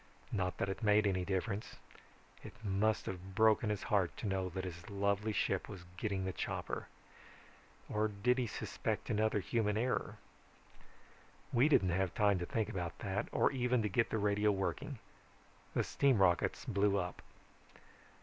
Not that it made any difference. It must have broken his heart to know that his lovely ship was getting the chopper. Or did he suspect another human error? "We didn't have time to think about that, or even to get the radio working. The steam rockets blew up.